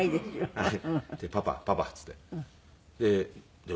はい。